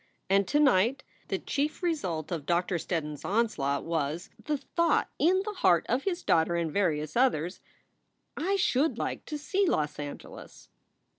And to night the chief result of Doctor Steddon s onslaught was the thought in the heart of his daughter and various others, "I should like to see Los Angeles."